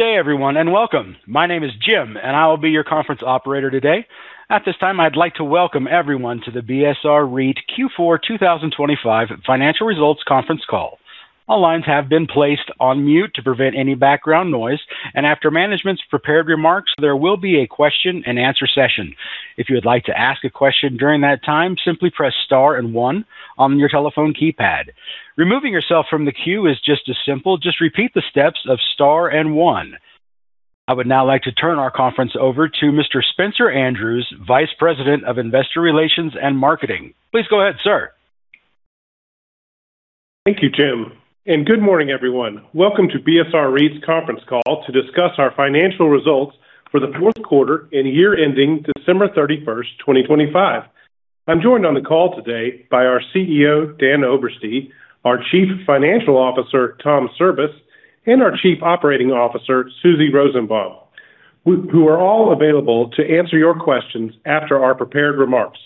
Good day everyone, and welcome. My name is Jim, and I will be your conference operator today. At this time, I'd like to welcome everyone to the BSR REIT Q4 2025 Financial Results Conference Call. All lines have been placed on mute to prevent any background noise, and after management's prepared remarks, there will be a question-and-answer session. If you would like to ask a question during that time, simply press star and one on your telephone keypad. Removing yourself from the queue is just as simple. Just repeat the steps of star and one. I would now like to turn our conference over to Mr. Spencer Andrews, Vice President of Investor Relations and Marketing. Please go ahead, sir. Thank you, Jim, and good morning everyone. Welcome to BSR REIT's conference call to discuss our financial results for the Q4 and year ending December 31, 2025. I'm joined on the call today by our CEO, Dan Oberste, our Chief Financial Officer, Thomas Cirbus, and our Chief Operating Officer, Susan Rosenbaum, who are all available to answer your questions after our prepared remarks.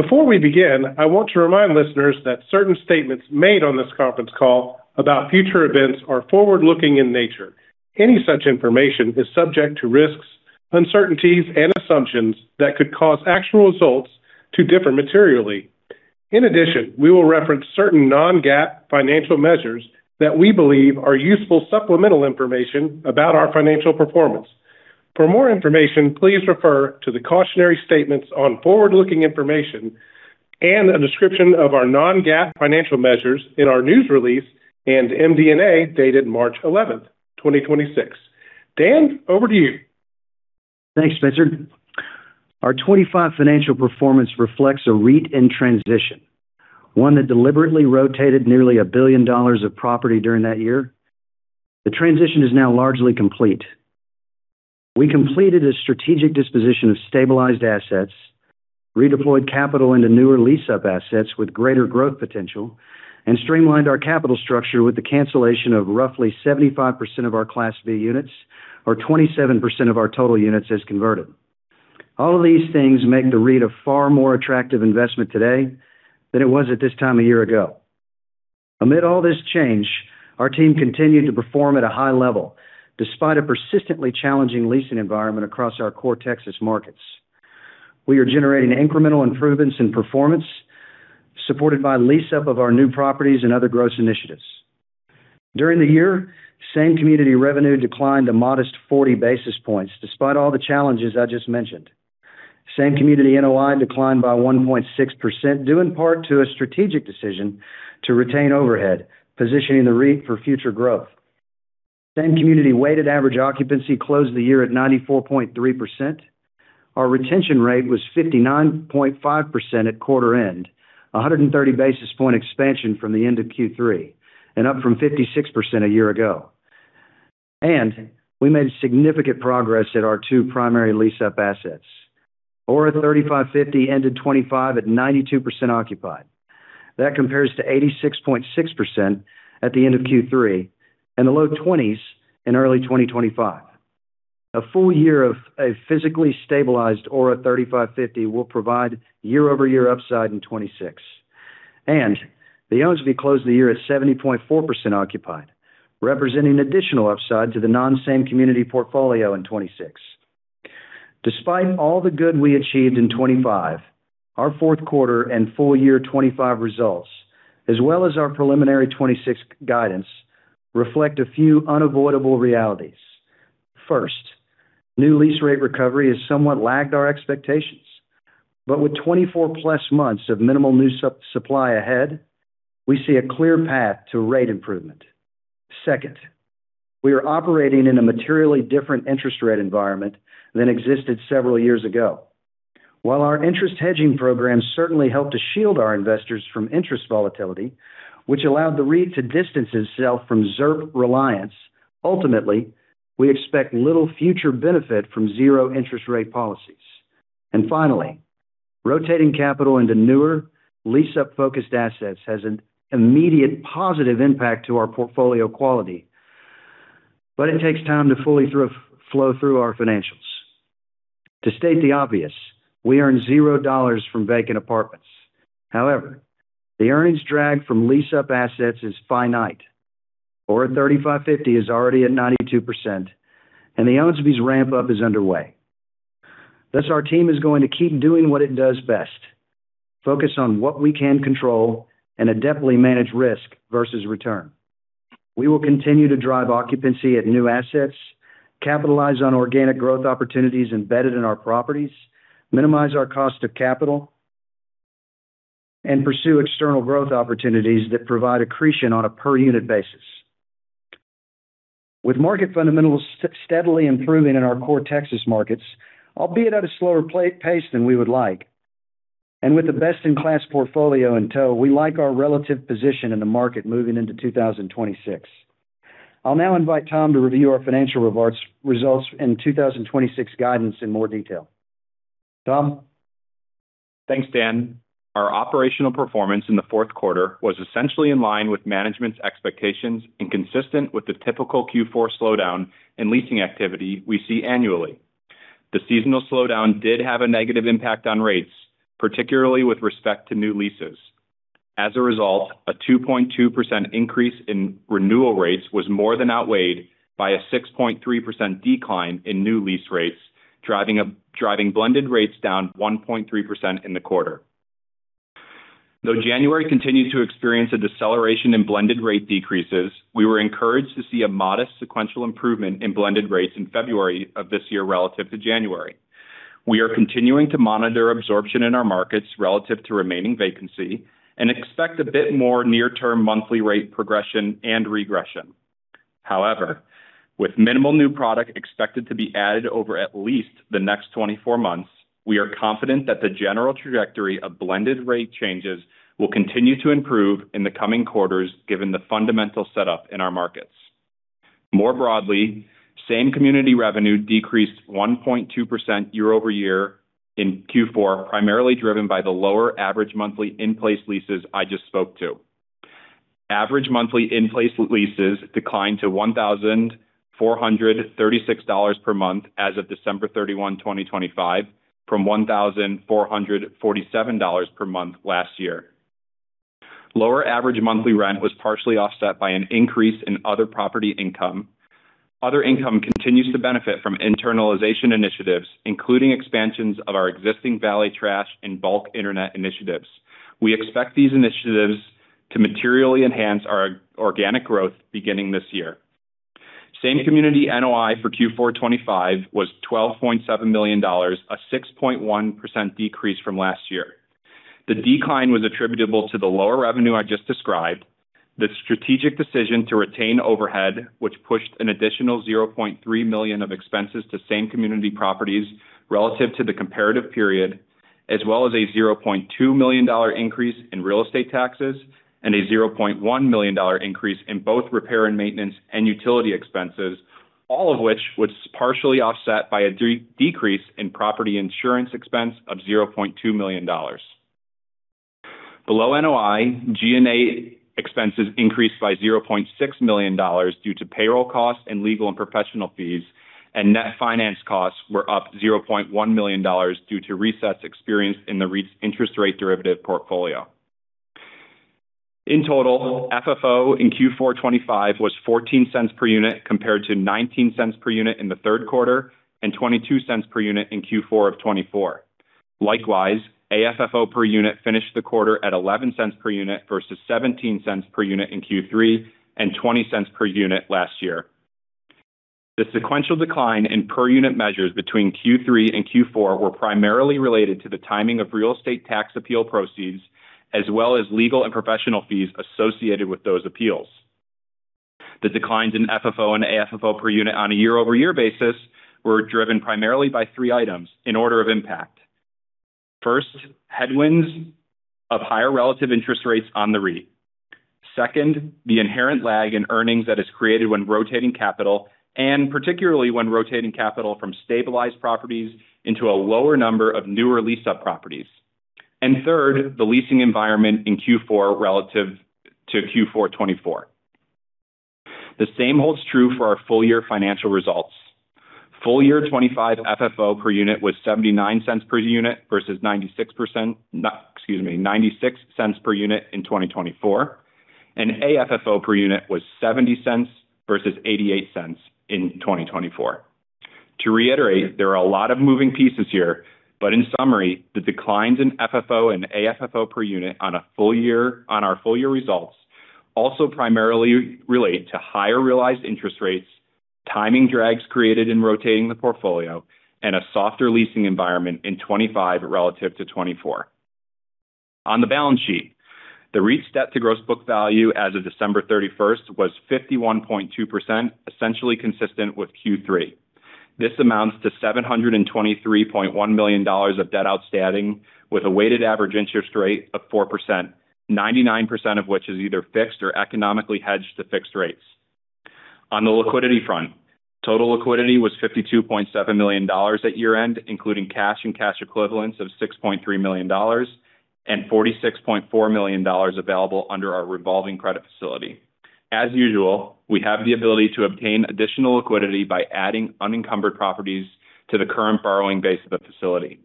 Before we begin, I want to remind listeners that certain statements made on this conference call about future events are forward-looking in nature. Any such information is subject to risks, uncertainties, and assumptions that could cause actual results to differ materially. In addition, we will reference certain non-GAAP financial measures that we believe are useful supplemental information about our financial performance. For more information, please refer to the cautionary statements on forward-looking information and a description of our non-GAAP financial measures in our news release and MD&A dated March 11, 2026. Dan, over to you. Thanks, Spencer. Our 25 financial performance reflects a REIT in transition, one that deliberately rotated nearly $1 billion of property during that year. The transition is now largely complete. We completed a strategic disposition of stabilized assets, redeployed capital into newer lease-up assets with greater growth potential, and streamlined our capital structure with the cancellation of roughly 75% of our Class B units, or 27% of our total units as converted. All of these things make the REIT a far more attractive investment today than it was at this time a year ago. Amid all this change, our team continued to perform at a high level, despite a persistently challenging leasing environment across our core Texas markets. We are generating incremental improvements in performance, supported by lease-up of our new properties and other growth initiatives. During the year, same community revenue declined a modest 40 basis points, despite all the challenges I just mentioned. Same community NOI declined by 1.6%, due in part to a strategic decision to retain overhead, positioning the REIT for future growth. Same community weighted average occupancy closed the year at 94.3%. Our retention rate was 59.5% at quarter end, a 130 basis point expansion from the end of Q3, and up from 56% a year ago. We made significant progress at our two primary lease-up assets. Aura 3550 ended 2025 at 92% occupied. That compares to 86.6% at the end of Q3 and the low 20s in early 2025. A full year of a physically stabilized Aura 3550 will provide year-over-year upside in 2026. The Owensby closed the year at 70.4% occupied, representing additional upside to the non-same community portfolio in 2026. Despite all the good we achieved in 2025, our Q4 and full year 2025 results, as well as our preliminary 2026 guidance, reflect a few unavoidable realities. First, new lease rate recovery has somewhat lagged our expectations. With 24+ months of minimal new supply ahead, we see a clear path to rate improvement. Second, we are operating in a materially different interest rate environment than existed several years ago. While our interest hedging program certainly helped to shield our investors from interest volatility, which allowed the REIT to distance itself from ZIRP reliance, ultimately, we expect little future benefit from zero interest rate policies. Finally, rotating capital into newer lease-up focused assets has an immediate positive impact to our portfolio quality, but it takes time to fully flow through our financials. To state the obvious, we earn $zero from vacant apartments. However, the earnings drag from lease-up assets is finite. Aura 3550 is already at 92%, and the Owensby's ramp up is underway. Thus, our team is going to keep doing what it does best, focus on what we can control and adeptly manage risk versus return. We will continue to drive occupancy at new assets, capitalize on organic growth opportunities embedded in our properties, minimize our cost of capital, and pursue external growth opportunities that provide accretion on a per unit basis. With market fundamentals steadily improving in our core Texas markets, albeit at a slower pace than we would like, and with the best in class portfolio in tow, we like our relative position in the market moving into 2026. I'll now invite Tom Cirbus to review our financial results and 2026 guidance in more detail. Tom Cirbus. Thanks, Dan. Our operational performance in the Q4 was essentially in line with management's expectations and consistent with the typical Q4 slowdown in leasing activity we see annually. The seasonal slowdown did have a negative impact on rates, particularly with respect to new leases. As a result, a 2.2% increase in renewal rates was more than outweighed by a 6.3% decline in new lease rates, driving blended rates down 1.3% in the quarter. Though January continued to experience a deceleration in blended rate decreases, we were encouraged to see a modest sequential improvement in blended rates in February of this year relative to January. We are continuing to monitor absorption in our markets relative to remaining vacancy and expect a bit more near-term monthly rate progression and regression. However, with minimal new product expected to be added over at least the next 24 months, we are confident that the general trajectory of blended rate changes will continue to improve in the coming quarters, given the fundamental setup in our markets. More broadly, same community revenue decreased 1.2% year-over-year in Q4, primarily driven by the lower average monthly in-place leases I just spoke to. Average monthly in-place leases declined to $1,436 per month as of December 31, 2025, from $1,447 per month last year. Lower average monthly rent was partially offset by an increase in other property income. Other income continues to benefit from internalization initiatives, including expansions of our existing Valet trash and bulk internet initiatives. We expect these initiatives to materially enhance our organic growth beginning this year. Same-community NOI for Q4 2025 was $12.7 million, a 6.1% decrease from last year. The decline was attributable to the lower revenue I just described. The strategic decision to retain overhead, which pushed an additional $0.3 million of expenses to same-community properties relative to the comparative period, as well as a $0.2 million increase in real estate taxes and a $0.1 million increase in both repair and maintenance and utility expenses, all of which was partially offset by a decrease in property insurance expense of $0.2 million. Below NOI, G&A expenses increased by $0.6 million due to payroll costs and legal and professional fees, and net finance costs were up $0.1 million due to resets experienced in the REIT's interest rate derivative portfolio. In total, FFO in Q4 2025 was $0.14 per unit, compared to $0.19 per unit in the Q3 and $0.22 per unit in Q4 of 2024. Likewise, AFFO per unit finished the quarter at $0.11 per unit versus $0.17 per unit in Q3 and $0.20 per unit last year. The sequential decline in per unit measures between Q3 and Q4 were primarily related to the timing of real estate tax appeal proceeds, as well as legal and professional fees associated with those appeals. The declines in FFO and AFFO per unit on a year-over-year basis were driven primarily by three items in order of impact. First, headwinds of higher relative interest rates on the REIT. Second, the inherent lag in earnings that is created when rotating capital, and particularly when rotating capital from stabilized properties into a lower number of newer lease-up properties. Third, the leasing environment in Q4 relative to Q4 2024. The same holds true for our full year financial results. Full year 2025 FFO per unit was $0.79 per unit versus $0.96 per unit in 2024, and AFFO per unit was $0.70 versus $0.88 in 2024. To reiterate, there are a lot of moving pieces here, but in summary, the declines in FFO and AFFO per unit on our full year results also primarily relate to higher realized interest rates, timing drags created in rotating the portfolio, and a softer leasing environment in 2025 relative to 2024. On the balance sheet, the REIT's debt to gross book value as of December 31 was 51.2%, essentially consistent with Q3. This amounts to $723.1 million of debt outstanding with a weighted average interest rate of 4%, 99% of which is either fixed or economically hedged to fixed rates. On the liquidity front, total liquidity was $52.7 million at year-end, including cash and cash equivalents of $6.3 million and $46.4 million available under our revolving credit facility. As usual, we have the ability to obtain additional liquidity by adding unencumbered properties to the current borrowing base of the facility.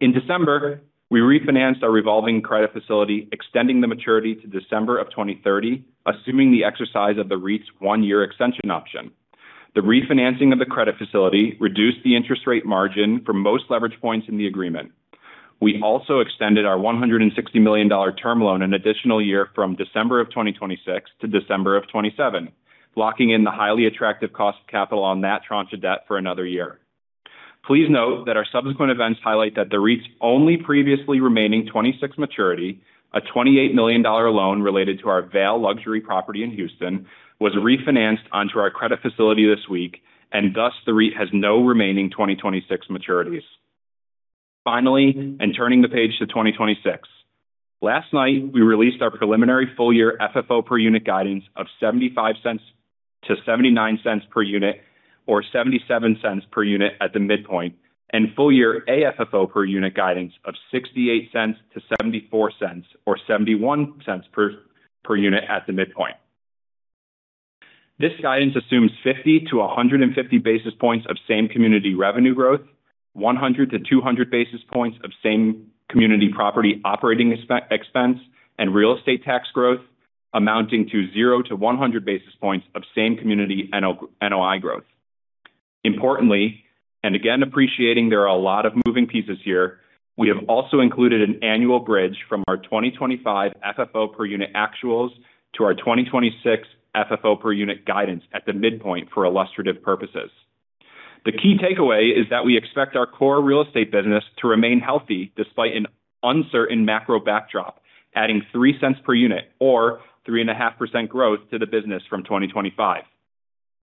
In December, we refinanced our revolving credit facility, extending the maturity to December 2030, assuming the exercise of the REIT's one-year extension option. The refinancing of the credit facility reduced the interest rate margin for most leverage points in the agreement. We also extended our $160 million term loan an additional year from December of 2026 to December of 2027, locking in the highly attractive cost of capital on that tranche of debt for another year. Please note that our subsequent events highlight that the REIT's only previously remaining 2026 maturity, a $28 million loan related to our Vail Luxury property in Houston, was refinanced onto our credit facility this week, and thus the REIT has no remaining 2026 maturities. Finally, turning the page to 2026. Last night, we released our preliminary full year FFO per unit guidance of 0.75-0.79 per unit or 0.77 per unit at the midpoint, and full year AFFO per unit guidance of 0.68-0.74 or 0.71 per unit at the midpoint. This guidance assumes 50-150 basis points of same community revenue growth, 100-200 basis points of same community property operating expense, and real estate tax growth amounting to 0-100 basis points of same community NOI growth. Importantly, and again appreciating there are a lot of moving pieces here, we have also included an annual bridge from our 2025 FFO per unit actuals to our 2026 FFO per unit guidance at the midpoint for illustrative purposes. The key takeaway is that we expect our core real estate business to remain healthy despite an uncertain macro backdrop, adding $0.03 per unit or 3.5% growth to the business from 2025.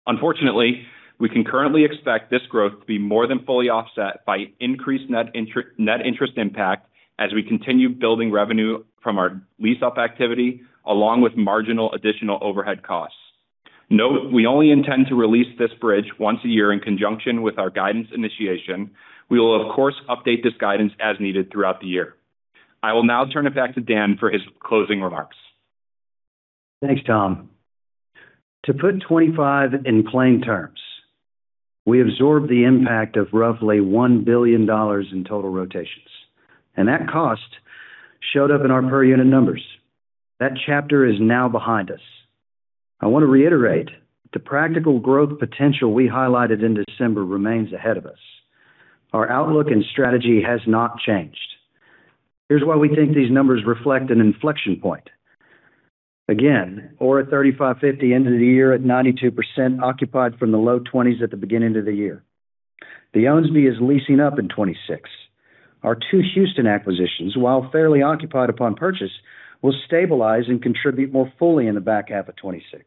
Unfortunately, we can currently expect this growth to be more than fully offset by increased net interest impact as we continue building revenue from our lease-up activity along with marginal additional overhead costs. Note, we only intend to release this bridge once a year in conjunction with our guidance initiation. We will of course, update this guidance as needed throughout the year. I will now turn it back to Dan for his closing remarks. Thanks, Tom. To put 2025 in plain terms, we absorbed the impact of roughly $1 billion in total rotations, and that cost showed up in our per unit numbers. That chapter is now behind us. I want to reiterate the practical growth potential we highlighted in December remains ahead of us. Our outlook and strategy has not changed. Here's why we think these numbers reflect an inflection point. Again, Aura 3550 end of the year at 92% occupied from the low 20s at the beginning of the year. The Owensby is leasing up in 2026. Our two Houston acquisitions, while fairly occupied upon purchase, will stabilize and contribute more fully in the back half of 2026.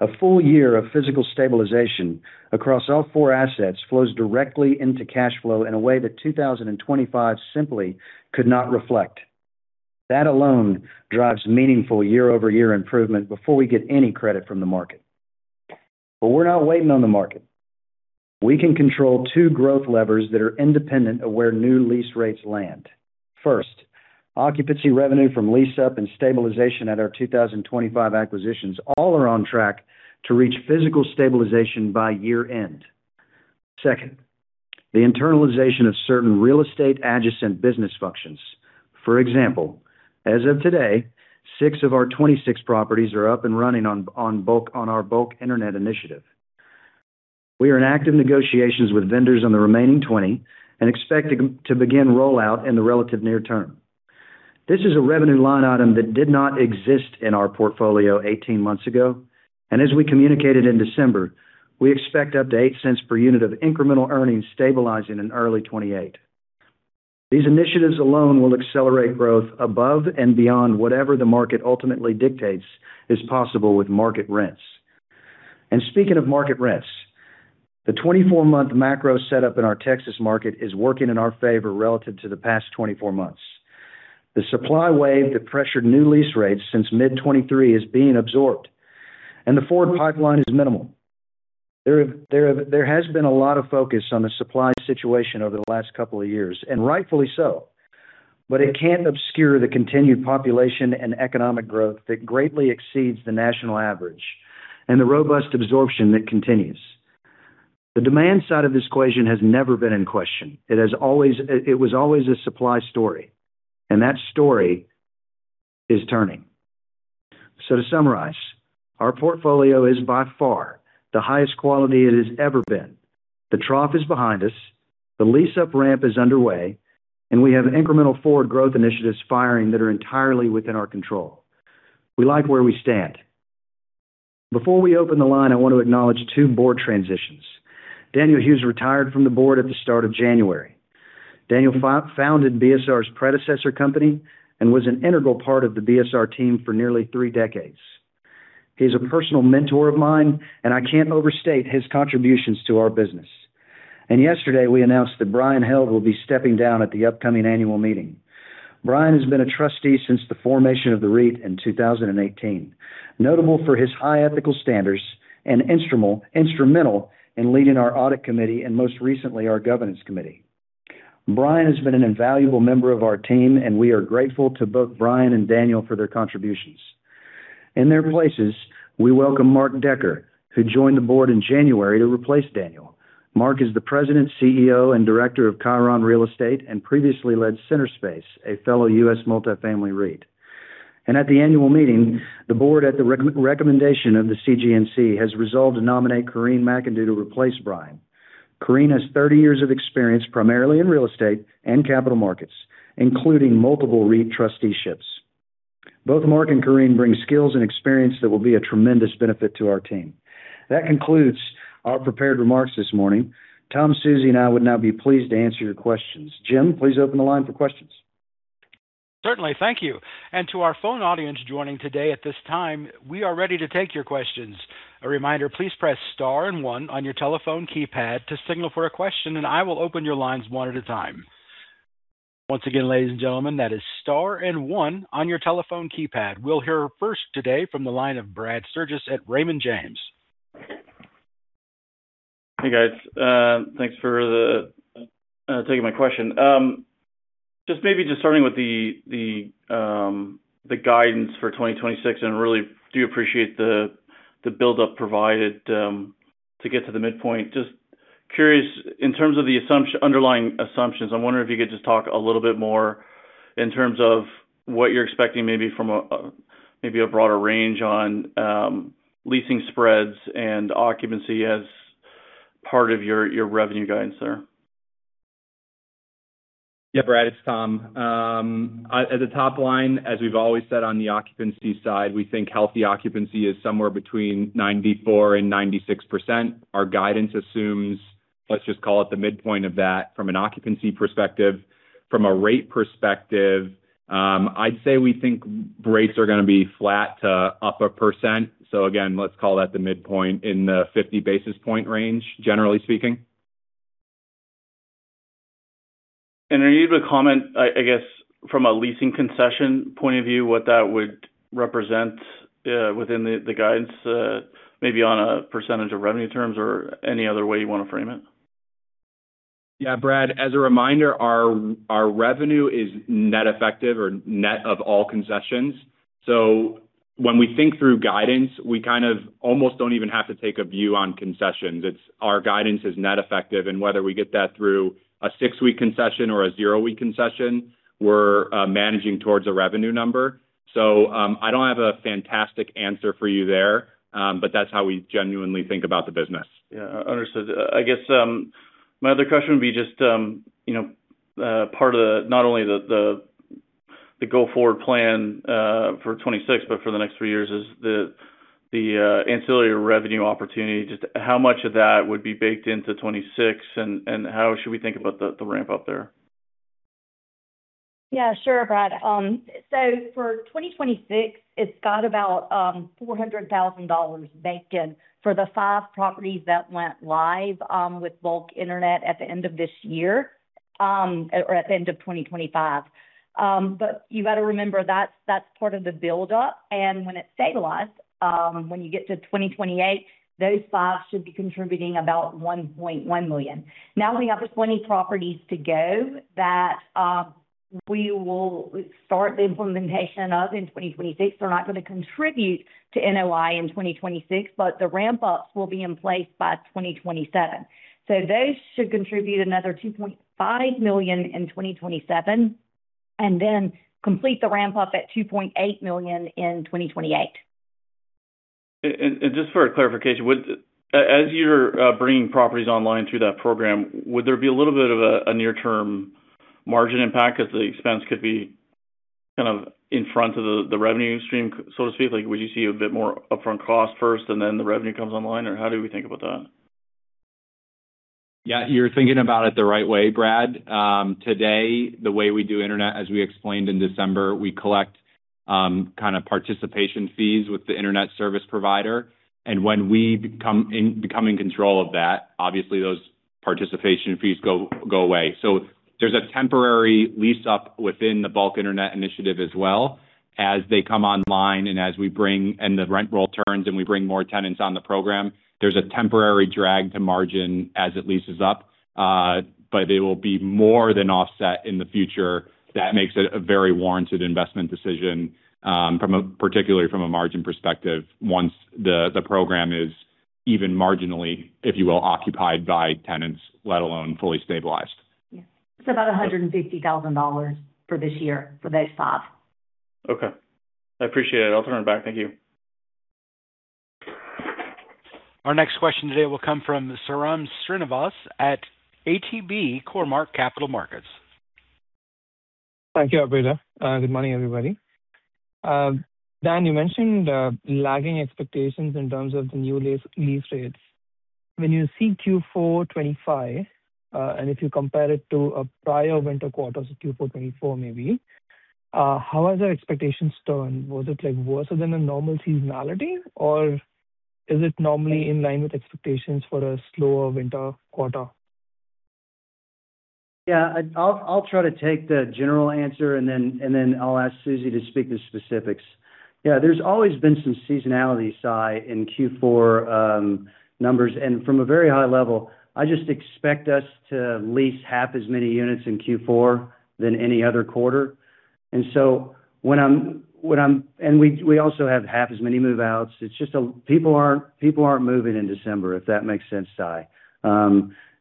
A full year of physical stabilization across all four assets flows directly into cash flow in a way that 2025 simply could not reflect. That alone drives meaningful year-over-year improvement before we get any credit from the market. We're not waiting on the market. We can control two growth levers that are independent of where new lease rates land. First, occupancy revenue from lease up and stabilization at our 2025 acquisitions all are on track to reach physical stabilization by year end. Second, the internalization of certain real estate adjacent business functions. For example, as of today, six of our 26 properties are up and running on our bulk internet initiative. We are in active negotiations with vendors on the remaining 20 and expect to begin rollout in the relative near term. This is a revenue line item that did not exist in our portfolio 18 months ago, and as we communicated in December, we expect up to $0.08 per unit of incremental earnings stabilizing in early 2028. These initiatives alone will accelerate growth above and beyond whatever the market ultimately dictates is possible with market rents. Speaking of market rents, the 24-month macro setup in our Texas market is working in our favor relative to the past 24 months. The supply wave that pressured new lease rates since mid-2023 is being absorbed, and the forward pipeline is minimal. There has been a lot of focus on the supply situation over the last couple of years, and rightfully so. It can obscure the continued population and economic growth that greatly exceeds the national average and the robust absorption that continues. The demand side of this equation has never been in question. It has always been a supply story, and that story is turning. To summarize, our portfolio is by far the highest quality it has ever been. The trough is behind us. The lease-up ramp is underway, and we have incremental forward growth initiatives firing that are entirely within our control. We like where we stand. Before we open the line, I want to acknowledge two board transitions. W. Daniel Hughes, Jr. retired from the board at the start of January. W. Daniel Hughes, Jr. co-founded BSR's predecessor company and was an integral part of the BSR team for nearly three decades. He's a personal mentor of mine, and I can't overstate his contributions to our business. Yesterday, we announced that Bryan H. Held will be stepping down at the upcoming annual meeting. Bryan has been a trustee since the formation of the REIT in 2018. Notable for his high ethical standards and instrumental in leading our audit committee and most recently, our governance committee. Bryan has been an invaluable member of our team, and we are grateful to both Bryan and Daniel for their contributions. In their places, we welcome Mark Decker, who joined the board in January to replace Daniel. Mark is the President, CEO, and Director of Kiron Real Estate and previously led Centerspace, a fellow U.S. multifamily REIT. At the annual meeting, the board, at the recommendation of the CGNC, has resolved to nominate Corinne McIndoe to replace Bryan. Corinne has 30 years of experience, primarily in real estate and capital markets, including multiple REIT trusteeships. Both Mark and Corinne bring skills and experience that will be a tremendous benefit to our team. That concludes our prepared remarks this morning. Tom, Susie, and I would now be pleased to answer your questions. Jim, please open the line for questions. Certainly. Thank you. To our phone audience joining today at this time, we are ready to take your questions. A reminder, please press star and one on your telephone keypad to signal for a question, and I will open your lines one at a time. Once again, ladies and gentlemen, that is star and one on your telephone keypad. We'll hear first today from the line of Brad Sturges at Raymond James. Hey guys, thanks for taking my question. Just maybe starting with the guidance for 2026, and really do appreciate the buildup provided to get to the midpoint. Just curious, in terms of the underlying assumptions, I'm wondering if you could just talk a little bit more in terms of what you're expecting maybe from a broader range on leasing spreads and occupancy as part of your revenue guidance there. Yeah, Brad, it's Tom. At the top line, as we've always said on the occupancy side, we think healthy occupancy is somewhere between 94%-96%. Our guidance assumes, let's just call it the midpoint of that from an occupancy perspective. From a rate perspective, I'd say we think rates are gonna be flat to up 1%. Again, let's call that the midpoint in the 50 basis points range, generally speaking. Are you able to comment, I guess from a leasing concession point of view, what that would represent within the guidance, maybe on a percentage of revenue terms or any other way you wanna frame it? Yeah, Brad, as a reminder, our revenue is net effective or net of all concessions. So when we think through guidance, we kind of almost don't even have to take a view on concessions. It's our guidance is net effective, and whether we get that through a six-week concession or a zero-week concession, we're managing towards a revenue number. So, I don't have a fantastic answer for you there, but that's how we genuinely think about the business. Yeah. Understood. I guess my other question would be just, you know, part of not only the go-forward plan for 2026, but for the next three years is the ancillary revenue opportunity. Just how much of that would be baked into 2026 and how should we think about the ramp-up there? Yeah, sure, Brad. For 2026, it's got about $400,000 baked in for the five properties that went live with bulk internet at the end of this year or at the end of 2025. You gotta remember that's part of the buildup. When it's stabilized, when you get to 2028, those 5 should be contributing about $1.1 million. Now we have 20 properties to go that we will start the implementation of in 2026. They're not gonna contribute to NOI in 2026, but the ramp-ups will be in place by 2027. Those should contribute another $2.5 million in 2027, and then complete the ramp-up at $2.8 million in 2028. Just for clarification, as you're bringing properties online through that program, would there be a little bit of a near-term margin impact as the expense could be kind of in front of the revenue stream, so to speak? Like, would you see a bit more upfront cost first and then the revenue comes online? Or how do we think about that? Yeah, you're thinking about it the right way, Brad. Today, the way we do internet, as we explained in December, we collect kind of participation fees with the internet service provider. When we become in control of that, obviously those participation fees go away. There's a temporary lease-up within the bulk internet initiative as well as they come online and as we bring and the rent roll turns, and we bring more tenants on the program. There's a temporary drag to margin as it leases up, but they will be more than offset in the future. That makes it a very warranted investment decision, from a particularly from a margin perspective, once the program is even marginally, if you will, occupied by tenants, let alone fully stabilized. It's about $150,000 for this year for those five. Okay. I appreciate it. I'll turn it back. Thank you. Our next question today will come from Sairam Srinivas at ATB Capital Markets. Thank you, operator. Good morning, everybody. Dan, you mentioned lagging expectations in terms of the new lease rates. When you see Q4 2025, and if you compare it to a prior winter quarter, so Q4 2024 maybe, how has our expectations turned? Was it like worse than a normal seasonality, or is it normally in line with expectations for a slower winter quarter? Yeah. I'll try to take the general answer and then I'll ask Susie to speak to specifics. Yeah. There's always been some seasonality, Sai, in Q4 numbers. From a very high level, I just expect us to lease half as many units in Q4 than any other quarter. So we also have half as many move-outs. It's just people aren't moving in December, if that makes sense, Sai.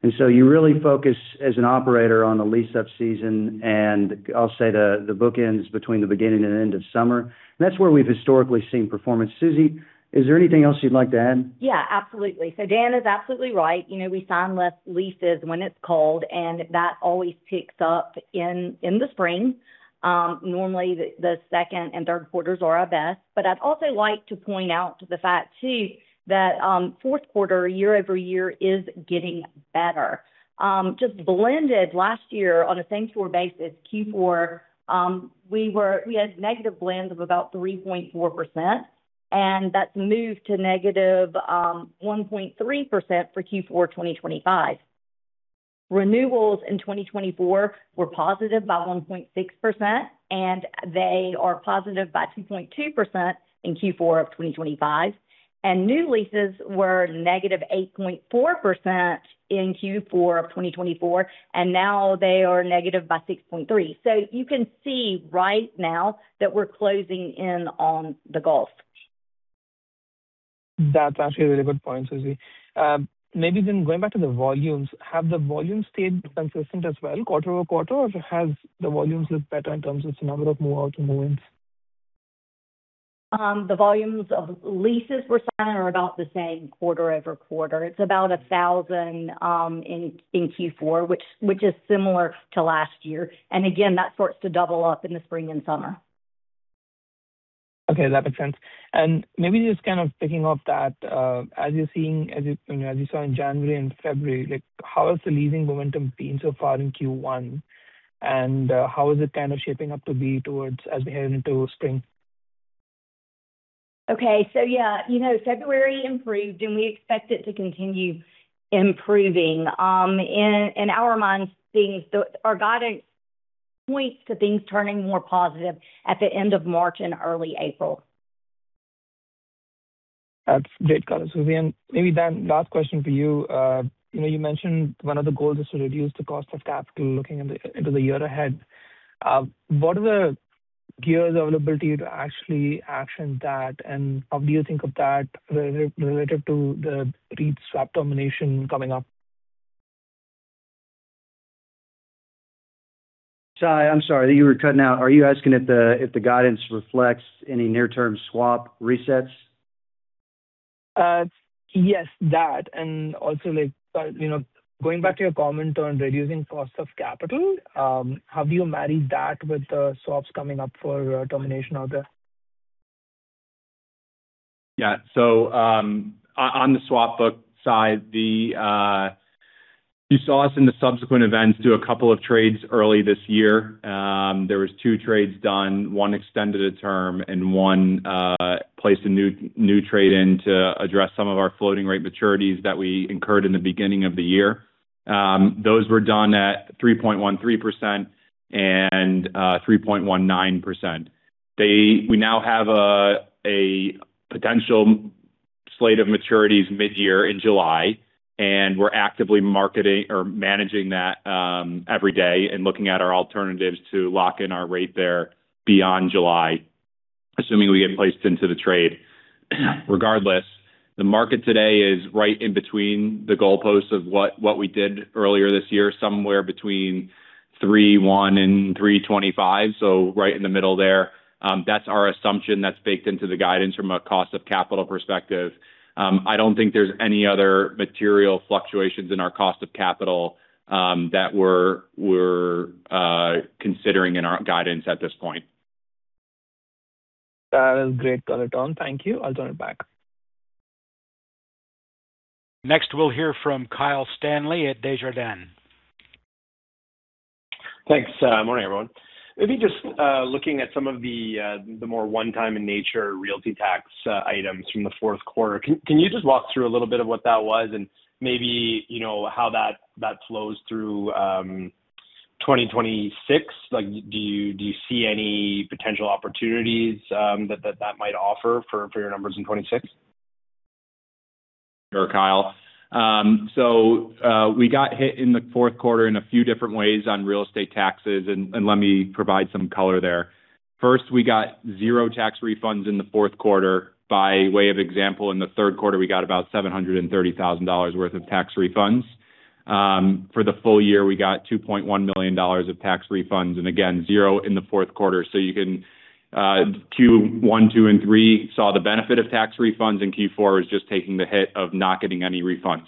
You really focus as an operator on the lease-up season, and I'll say the bookends between the beginning and end of summer. That's where we've historically seen performance. Susie, is there anything else you'd like to add? Yeah, absolutely. Dan is absolutely right. You know, we sign less leases when it's cold, and that always picks up in the spring. Normally the Q2 and Q3 are our best. I'd also like to point out the fact too that Q4 year-over-year is getting better. Just blended last year on a same-store basis, Q4, we had negative blends of about 3.4%, and that's moved to negative 1.3% for Q4 2025. Renewals in 2024 were positive by 1.6%, and they are positive by 2.2% in Q4 of 2025. New leases were negative 8.4% in Q4 of 2024, and now they are negative by 6.3%. You can see right now that we're closing in on the gulf. That's actually a really good point, Susie. Maybe then going back to the volumes, have the volumes stayed consistent as well quarter-over-quarter, or has the volumes looked better in terms of the number of move outs and move-ins? The volumes of leases we're signing are about the same quarter-over-quarter. It's about 1,000 in Q4, which is similar to last year, and again, that starts to double up in the spring and summer. Okay. That makes sense. Maybe just kind of picking up on that, as you know, as you saw in January and February, like how has the leasing momentum been so far in Q1, and how is it kind of shaping up to be as we head into spring? Okay. Yeah, you know, February improved and we expect it to continue improving. In our minds, things though our guidance points to things turning more positive at the end of March and early April. That's great color, Susie. Maybe then last question for you. You know, you mentioned one of the goals is to reduce the cost of capital looking into the year ahead. What are the levers available to you to actually action that, and how do you think of that relative to the REIT swap redemption coming up? Sai, I'm sorry. You were cutting out. Are you asking if the guidance reflects any near-term swap resets? Yes, that and also like, you know, going back to your comment on reducing cost of capital, have you married that with the swaps coming up for termination out there? Yeah. On the swap book side, you saw us in the subsequent events do a couple of trades early this year. There was two trades done, one extended a term and one placed a new trade in to address some of our floating rate maturities that we incurred in the beginning of the year. Those were done at 3.13% and 3.19%. We now have a potential slate of maturities mid-year in July, and we're actively marketing or managing that every day and looking at our alternatives to lock in our rate there beyond July, assuming we get placed into the trade. Regardless, the market today is right in between the goalposts of what we did earlier this year, somewhere between 3.1% and 3.25%, so right in the middle there. That's our assumption that's baked into the guidance from a cost of capital perspective. I don't think there's any other material fluctuations in our cost of capital that we're considering in our guidance at this point. That is great color, Tom. Thank you. I'll turn it back. Next, we'll hear from Kyle Stanley at Desjardins. Thanks. Morning, everyone. Maybe just looking at some of the more one-time in nature realty tax items from the Q4. Can you just walk through a little bit of what that was and maybe, you know, how that flows through 2026? Like, do you see any potential opportunities that might offer for your numbers in 2026? Sure, Kyle. We got hit in the Q4 in a few different ways on real estate taxes and let me provide some color there. First, we got zero tax refunds in the Q4. By way of example, in the Q3, we got about $730,000 worth of tax refunds. For the full year, we got $2.1 million of tax refunds and again, zero in the Q4. You can Q1, Q2 and Q3 saw the benefit of tax refunds, and Q4 is just taking the hit of not getting any refunds.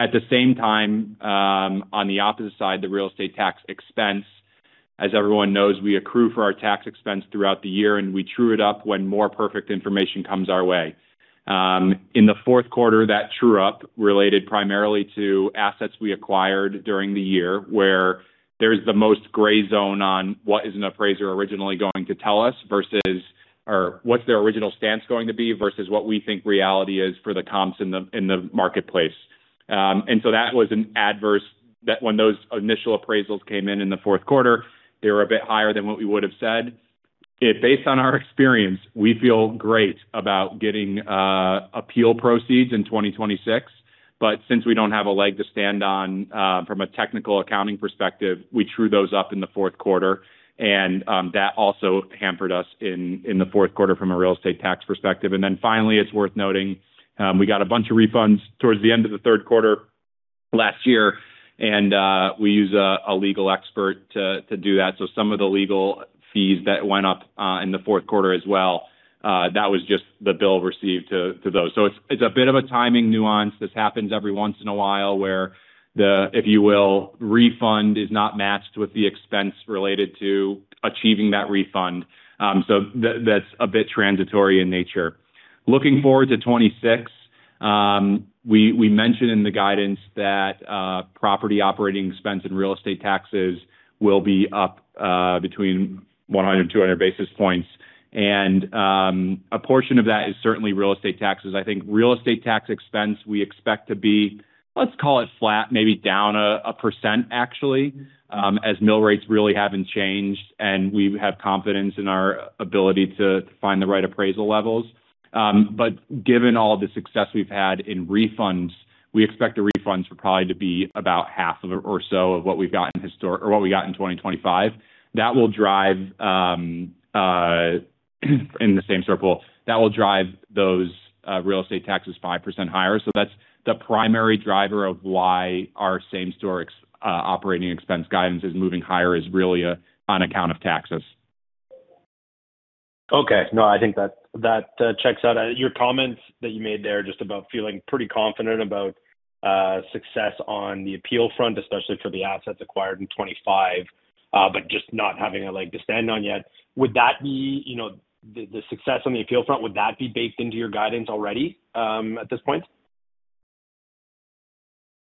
At the same time, on the opposite side, the real estate tax expense, as everyone knows, we accrue for our tax expense throughout the year, and we true it up when more perfect information comes our way. In the Q4, that true-up related primarily to assets we acquired during the year, where there's the most gray zone on what is an appraiser originally going to tell us versus what's their original stance going to be versus what we think reality is for the comps in the marketplace. That was an adverse that when those initial appraisals came in in the Q4they were a bit higher than what we would have said. Based on our experience, we feel great about getting appeal proceeds in 2026, but since we don't have a leg to stand on from a technical accounting perspective, we true those up in the Q4. That also hampered us in the Q4 from a real estate tax perspective. Then finally, it's worth noting, we got a bunch of refunds towards the end of the Q3 last year, and we use a legal expert to do that. So some of the legal fees that went up in the Q4 as well, that was just the bill received to those. So it's a bit of a timing nuance. This happens every once in a while where the, if you will, refund is not matched with the expense related to achieving that refund. So that's a bit transitory in nature. Looking forward to 2026, we mentioned in the guidance that property operating expense and real estate taxes will be up between 100-200 basis points. A portion of that is certainly real estate taxes. I think real estate tax expense we expect to be, let's call it flat, maybe down 1% actually, as mill rates really haven't changed, and we have confidence in our ability to find the right appraisal levels. But given all the success we've had in refunds, we expect the refunds probably to be about half or so of what we've got in or what we got in 2025. That will drive, in the same circle, that will drive those real estate taxes 5% higher. That's the primary driver of why our same-store operating expense guidance is moving higher is really on account of taxes. Okay. No, I think that checks out. Your comments that you made there just about feeling pretty confident about success on the appeal front, especially for the assets acquired in 2025, but just not having a leg to stand on yet. Would that be, you know, the success on the appeal front, would that be baked into your guidance already at this point?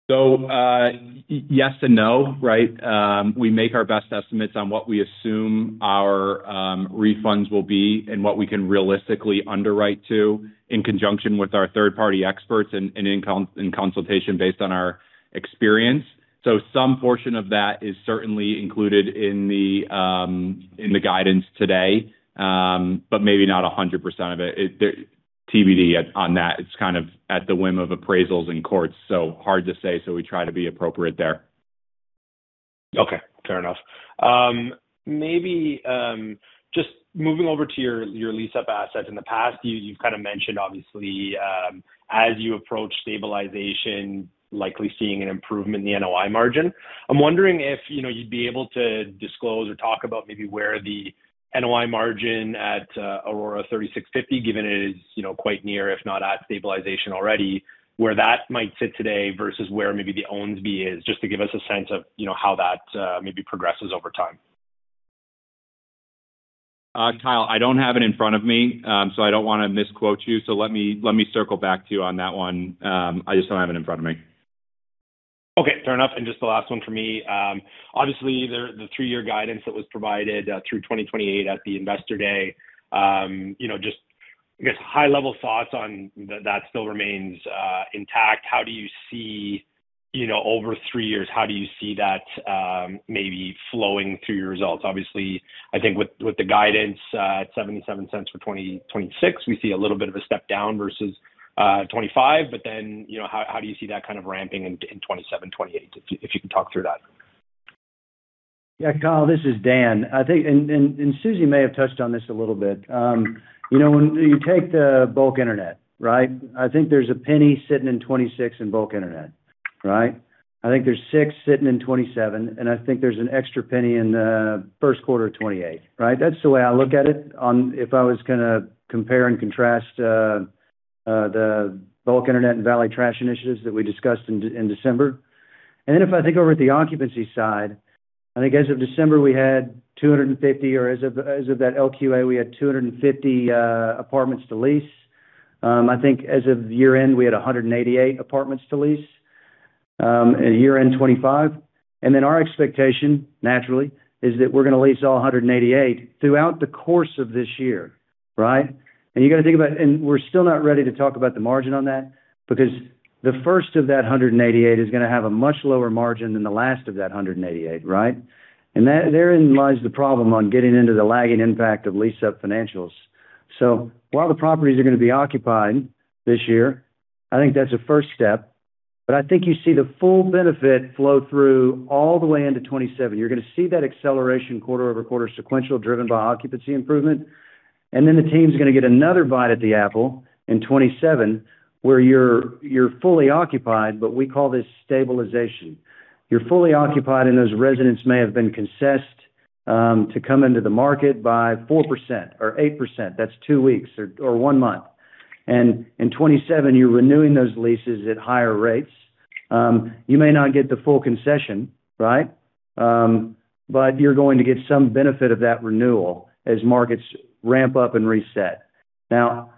Yes and no, right? We make our best estimates on what we assume our refunds will be and what we can realistically underwrite to in conjunction with our third-party experts and in consultation based on our experience. Some portion of that is certainly included in the guidance today, but maybe not 100% of it. TBD on that. It's kind of at the whim of appraisals in courts, so hard to say, so we try to be appropriate there. Okay, fair enough. Maybe, just moving over to your lease-up assets. In the past, you've kinda mentioned obviously, as you approach stabilization, likely seeing an improvement in the NOI margin. I'm wondering if, you know, you'd be able to disclose or talk about maybe where the NOI margin at Aura 3550, given it is, you know, quite near, if not at stabilization already, where that might sit today versus where maybe Owensby is, just to give us a sense of, you know, how that maybe progresses over time. Kyle, I don't have it in front of me, so I don't wanna misquote you. Let me circle back to you on that one. I just don't have it in front of me. Okay, fair enough. Just the last one for me. Obviously, the three-year guidance that was provided through 2028 at the Investor Day, you know, just, I guess, high-level thoughts on that still remains intact. How do you see, you know, over three years, how do you see that maybe flowing through your results? Obviously, I think with the guidance at 0.77 for 2026, we see a little bit of a step down versus 2025. But then, you know, how do you see that kind of ramping in 2027, 2028, if you can talk through that. Yeah, Kyle, this is Dan. I think Susie may have touched on this a little bit. You know, when you take the bulk internet, right? I think there's a penny sitting in 26 in bulk internet, right? I think there's 6 sitting in 27, and I think there's an extra penny in the Q1 of 28, right? That's the way I look at it if I was gonna compare and contrast the bulk internet and Valet trash initiatives that we discussed in December. If I think over at the occupancy side, I think as of December, we had 250, or as of that LQA, we had 250 apartments to lease. I think as of year-end, we had 188 apartments to lease at year-end 2025. Our expectation, naturally, is that we're gonna lease all 188 throughout the course of this year, right? We're still not ready to talk about the margin on that because the first of that 188 is gonna have a much lower margin than the last of that 188, right? Therein lies the problem on getting into the lagging impact of lease-up financials. While the properties are gonna be occupied this year, I think that's a first step. I think you see the full benefit flow through all the way into 2027. You're gonna see that acceleration quarter-over-quarter sequential, driven by occupancy improvement. The team's gonna get another bite at the apple in 2027, where you're fully occupied, but we call this stabilization. You're fully occupied, and those residents may have been concessed to come into the market by 4% or 8%. That's 2 weeks or 1 month. In 2027, you're renewing those leases at higher rates. You may not get the full concession, right? But you're going to get some benefit of that renewal as markets ramp up and reset. Now,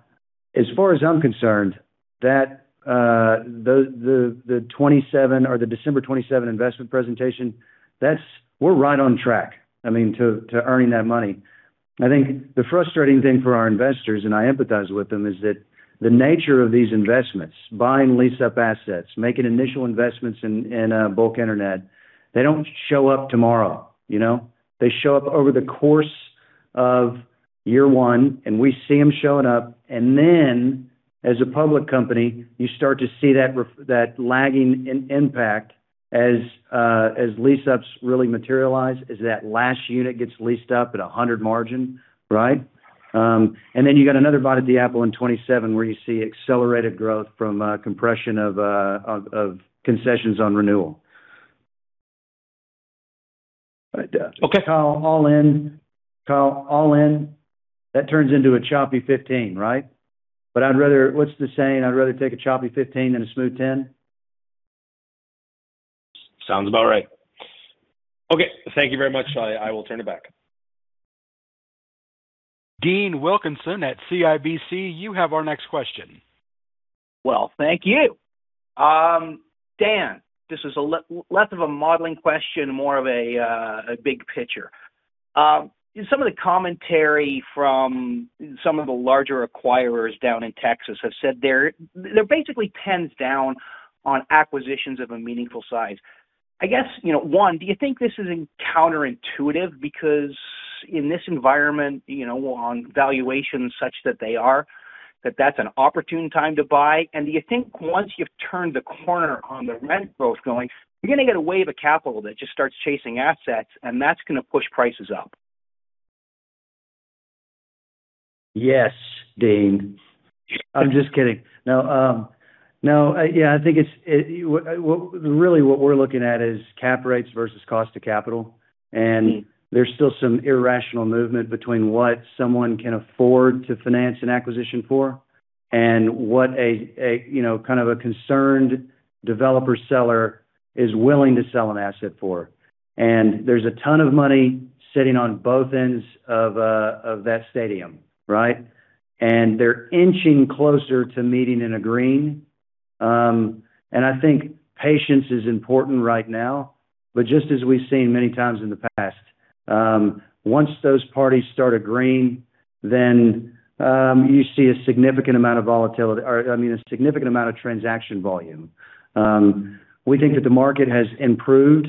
as far as I'm concerned, that the 2027 or the December 2027 investment presentation, that's. We're right on track, I mean, to earning that money. I think the frustrating thing for our investors, and I empathize with them, is that the nature of these investments, buying lease-up assets, making initial investments in bulk internet, they don't show up tomorrow, you know? They show up over the course of year one, and we see them showing up. As a public company, you start to see that lagging impact as lease-ups really materialize, as that last unit gets leased up at a 100 margin, right? You got another bite at the apple in 2027, where you see accelerated growth from compression of concessions on renewal. Okay. Kyle, all in. That turns into a choppy 15, right? I'd rather. What's the saying? I'd rather take a choppy 15 than a smooth 10. Sounds about right. Okay. Thank you very much. I will turn it back. Dean Wilkinson at CIBC, you have our next question. Well, thank you. Dan, this is a less of a modeling question, more of a big picture. In some of the commentary from some of the larger acquirers down in Texas have said they're basically pens down on acquisitions of a meaningful size. I guess, you know, one, do you think this is counterintuitive because in this environment, you know, on valuations such that they are, that that's an opportune time to buy? Do you think once you've turned the corner on the rent growth going, you're gonna get a wave of capital that just starts chasing assets, and that's gonna push prices up? Yes, Dean. I'm just kidding. No, yeah, I think it's what we're looking at is cap rates versus cost of capital. There's still some irrational movement between what someone can afford to finance an acquisition for and what, you know, kind of a concerned developer seller is willing to sell an asset for. There's a ton of money sitting on both ends of that chasm, right? They're inching closer to meeting and agreeing. I think patience is important right now. Just as we've seen many times in the past, once those parties start agreeing, then you see a significant amount of activity or, I mean, a significant amount of transaction volume. We think that the market has improved,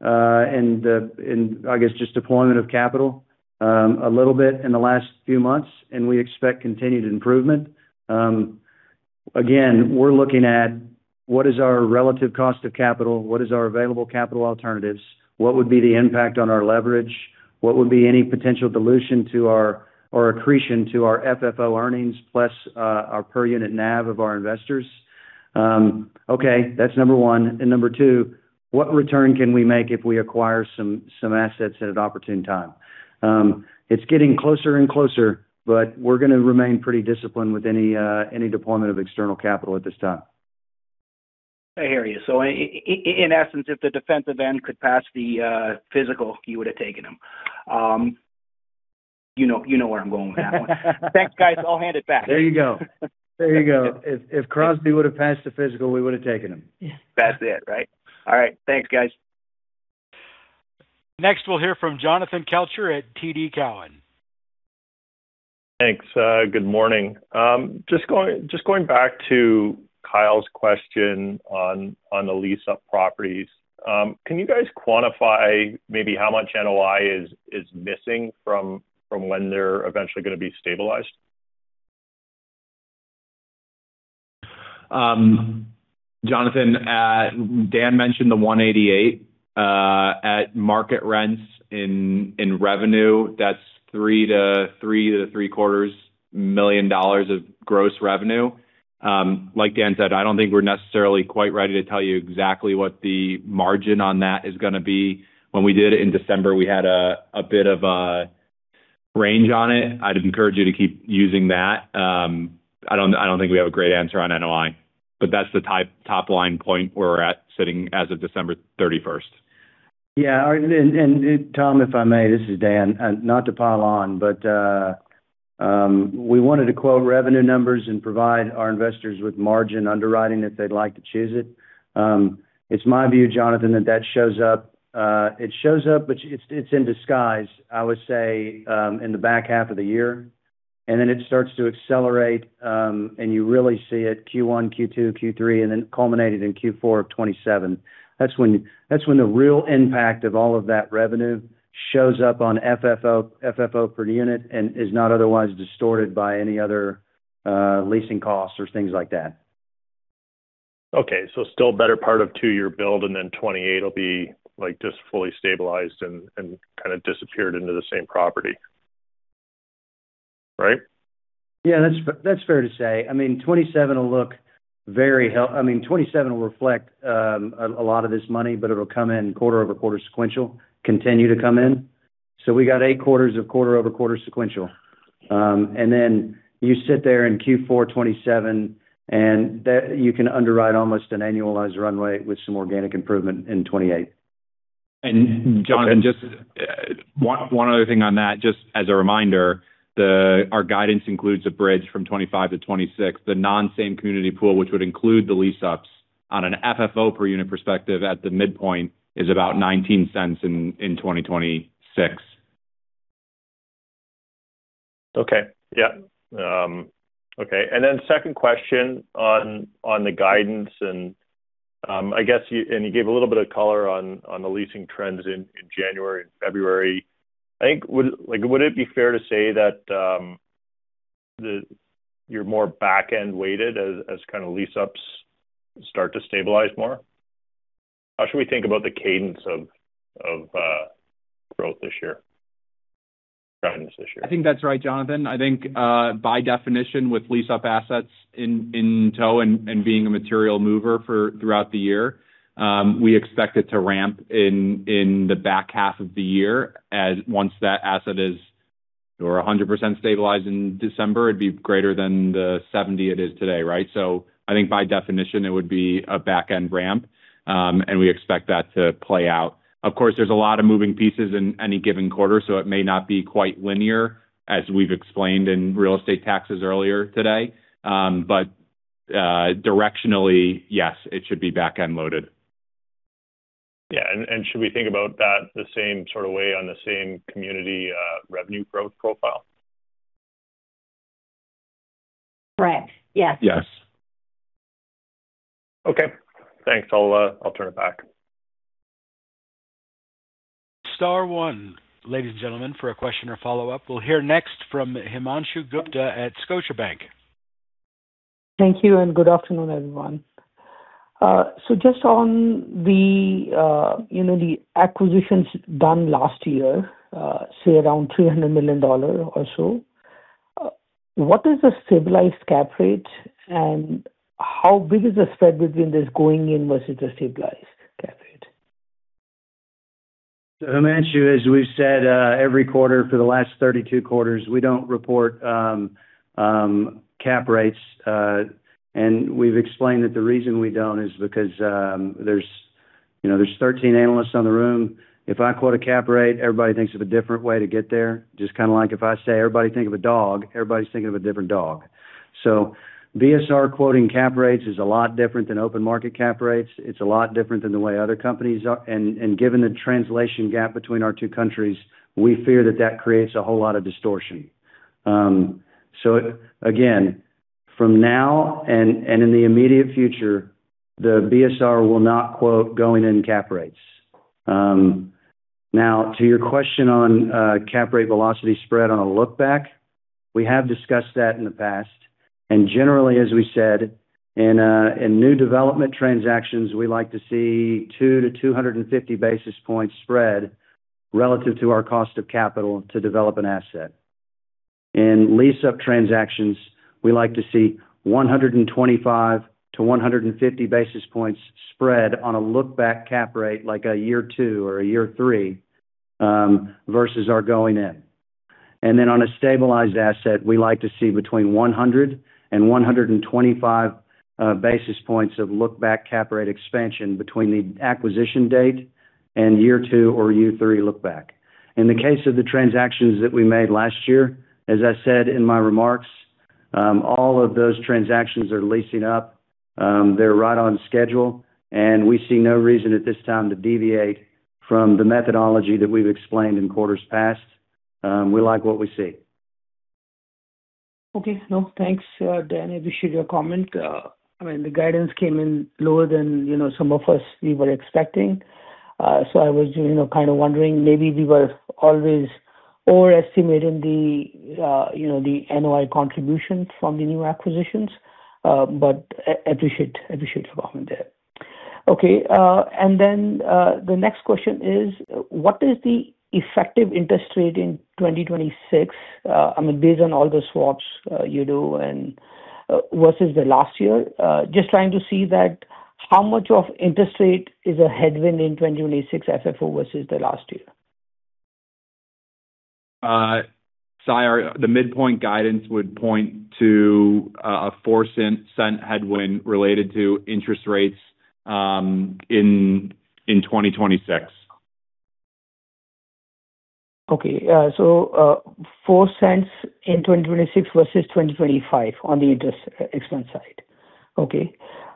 and I guess just deployment of capital a little bit in the last few months, and we expect continued improvement. Again, we're looking at what is our relative cost of capital? What is our available capital alternatives? What would be the impact on our leverage? What would be any potential dilution to our, or accretion to our FFO earnings, plus, our per unit NAV of our investors? Okay, that's number one. Number two, what return can we make if we acquire some assets at an opportune time? It's getting closer and closer, but we're gonna remain pretty disciplined with any deployment of external capital at this time. I hear you. In essence, if the defensive end could pass the physical, you would have taken him. You know where I'm going with that one. Thanks, guys. I'll hand it back. There you go. If Crosby would have passed the physical, we would have taken him. That's it, right? All right. Thanks, guys. Next, we'll hear from Jonathan Kelcher at TD Cowen. Thanks. Good morning. Just going back to Kyle's question on the lease-up properties. Can you guys quantify maybe how much NOI is missing from when they're eventually gonna be stabilized? Jonathan, Dan mentioned the 188 at market rents in revenue, that's $3-$3.75 million of gross revenue. Like Dan said, I don't think we're necessarily quite ready to tell you exactly what the margin on that is gonna be. When we did it in December, we had a bit of a range on it. I'd encourage you to keep using that. I don't think we have a great answer on NOI, but that's the top line point where we're at sitting as of December thirty-first. Yeah. Tom, if I may, this is Dan. Not to pile on, but we wanted to quote revenue numbers and provide our investors with margin underwriting if they'd like to choose it. It's my view, Jonathan, that that shows up. It shows up, but it's in disguise, I would say, in the back half of the year, and then it starts to accelerate, and you really see it Q1, Q2, Q3, and then culminated in Q4 of 2027. That's when the real impact of all of that revenue shows up on FFO per unit and is not otherwise distorted by any other leasing costs or things like that. Okay. Still better part of two-year build, and then 2028 will be, like, just fully stabilized and kinda disappeared into the same property, right? Yeah. That's fair, that's fair to say. I mean, 2027 will reflect a lot of this money, but it'll come in quarter-over-quarter sequential, continue to come in. We got eight quarters of quarter-over-quarter sequential. Then you sit there in Q4 2027, and you can underwrite almost an annualized runway with some organic improvement in 2028. Jonathan, just one other thing on that, just as a reminder, our guidance includes a bridge from 25 to 26. The non-same community pool, which would include the lease-ups on an FFO per unit perspective at the midpoint is about $0.19 in 2026. Okay. Yeah. Okay. Second question on the guidance, I guess you gave a little bit of color on the leasing trends in January and February. I think, like, it would be fair to say that you're more back-end weighted as kinda lease-ups start to stabilize more? How should we think about the cadence of guidance this year? I think that's right, Jonathan. I think by definition, with lease-up assets in tow and being a material mover throughout the year, we expect it to ramp in the back half of the year once that asset is 100% stabilized in December. It'd be greater than the 70% it is today, right? I think by definition, it would be a back-end ramp. We expect that to play out. Of course, there's a lot of moving pieces in any given quarter, so it may not be quite linear as we've explained in real estate taxes earlier today. Directionally, yes, it should be back-end loaded. Yeah. Should we think about that the same sort of way on the same community, revenue growth profile? Right. Yes. Yes. Okay. Thanks. I'll turn it back. Star one, ladies and gentlemen, for a question or follow-up. We'll hear next from Himanshu Gupta at Scotiabank. Thank you, and good afternoon, everyone. Just on the, you know, the acquisitions done last year, say around $300 million or so, what is the stabilized cap rate, and how big is the spread between this going in versus the stabilized cap rate? Himanshu, as we've said, every quarter for the last 32 quarters, we don't report cap rates. We've explained that the reason we don't is because there's, you know, 13 analysts in the room. If I quote a cap rate, everybody thinks of a different way to get there. Just kinda like if I say, "Everybody think of a dog," everybody's thinking of a different dog. BSR quoting cap rates is a lot different than open market cap rates. It's a lot different than the way other companies are. Given the translation gap between our two countries, we fear that that creates a whole lot of distortion. Again, from now and in the immediate future, the BSR will not quote going in cap rates. Now to your question on cap rate velocity spread on a look back, we have discussed that in the past. Generally, as we said, in new development transactions, we like to see 2 to 250 basis points spread relative to our cost of capital to develop an asset. In lease-up transactions, we like to see 125 to 150 basis points spread on a look back cap rate like a year two or a year three versus our going in. Then on a stabilized asset, we like to see between 100 and 125 basis points of look back cap rate expansion between the acquisition date and year two or year three look back. In the case of the transactions that we made last year, as I said in my remarks, all of those transactions are leasing up. They're right on schedule, and we see no reason at this time to deviate from the methodology that we've explained in quarters past. We like what we see. Okay. No, thanks, Dan, appreciate your comment. I mean, the guidance came in lower than, you know, some of us we were expecting. I was, you know, kind of wondering maybe we were always overestimating the, you know, the NOI contribution from the new acquisitions. Appreciate your comment there. Okay, then, the next question is, what is the effective interest rate in 2026, I mean, based on all the swaps you do and versus the last year? Just trying to see that how much of interest rate is a headwind in 2026 FFO versus the last year. Sai, the midpoint guidance would point to a $0.04 headwind related to interest rates in 2026. $0.04 in 2026 versus 2025 on the interest expense side.